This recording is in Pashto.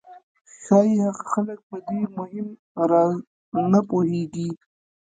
ښایي هغه خلک په دې مهم راز نه پوهېږي